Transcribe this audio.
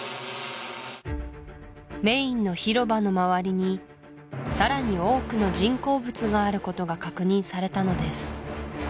メインの広場の周りにさらに多くの人工物があることが確認されたのです